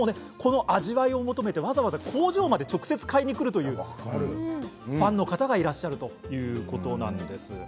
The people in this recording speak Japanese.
味を求めてわざわざ工場まで買いに来るというファンの方もいらっしゃるということなんです。